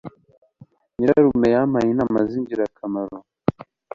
Nyirarume yampaye inama zingirakamaro